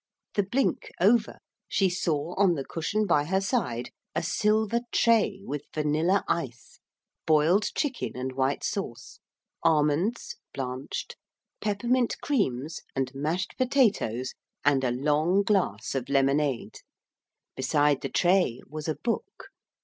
The blink over, she saw on the cushion by her side a silver tray with vanilla ice, boiled chicken and white sauce, almonds (blanched), peppermint creams, and mashed potatoes, and a long glass of lemonade beside the tray was a book.